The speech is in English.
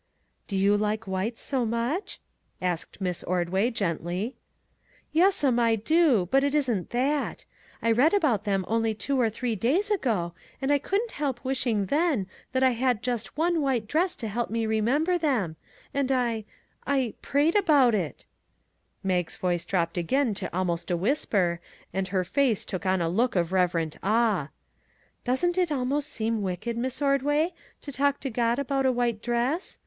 " Do you like white so much? " asked Miss Ordway, gently. " Yes'm, I do ; but it isn't that. I read about them only two or three days ago, and I couldn't help wishing then that I had just one white 208 WHITE DRESSES dress to help me remember them, and I I prayed about it " Mag's voice dropped again to almost a whisper, and her face took on a look of reverent awe " doesn't it almost seem wicked, Miss Ordway, to talk to God about a white dress?